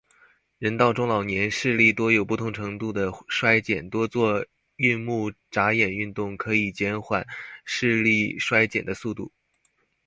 人到中老年，视力多有不同程度地衰减，多做运目眨眼运动可以减缓视力衰减的速度。